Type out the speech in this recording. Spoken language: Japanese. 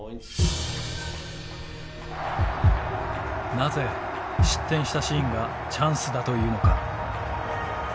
なぜ失点したシーンがチャンスだというのか。